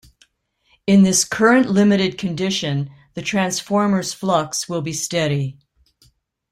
In this current-limited condition the transformer's flux will be steady.